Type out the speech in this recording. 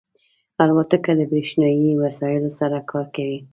الوتکه د بریښنایی وسایلو سره کار کوي.